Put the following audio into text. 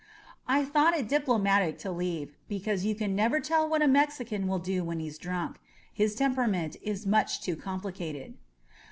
I thought it diplomatic to leave, because you can never tell what a Mexican will do when he's drunk. His temperament is much too complicated.